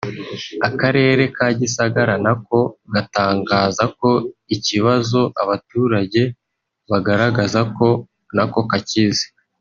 Akarere ka Gisagara nako gatangaza ko ikibazo abaturage bagaragaza ko nako kakizi